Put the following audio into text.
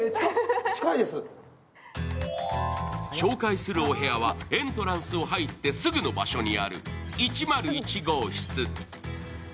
紹介するお部屋はエントランスを入ってすぐの場所にある１０１号室。